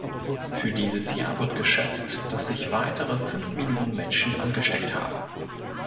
Für dieses Jahr wird geschätzt, dass sich weitere fünf Millionen Menschen angesteckt haben.